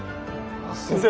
先生！